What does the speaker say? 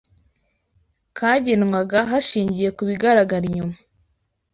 kagenwaga hashingiwe ku bigaragara inyuma